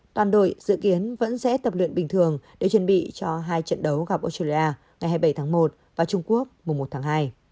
toàn đội dự kiến vẫn sẽ tập luyện bình thường để chuẩn bị cho hai trận đấu gặp australia ngày hai mươi bảy tháng một và trung quốc mùa một tháng hai